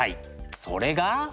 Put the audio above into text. それが。